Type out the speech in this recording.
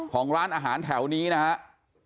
ของร้านอาหารแถวนี้นะครับ